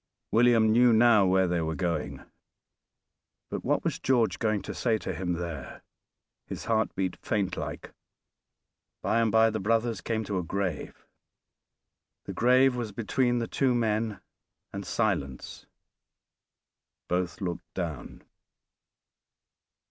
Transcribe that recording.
William knew now where they were going, but what was George going to say to him there? his heart beat faint like. By and by the brothers came to this [Drawing of Grave] The grave was between the two men and silence both looked down.